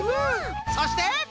そして！